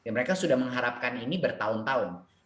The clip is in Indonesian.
mereka sudah mengharapkan ini bertahun tahun